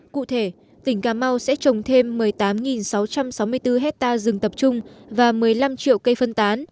cụ thể tỉnh cà mau sẽ trồng thêm một mươi tám sáu trăm sáu mươi bốn hectare rừng tập trung và một mươi năm triệu cây phân tán